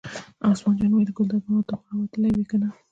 عثمان جان وویل: ګلداد ماما ته خو را وتلې وې کنه.